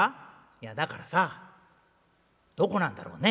「いやだからさどこなんだろうね？」。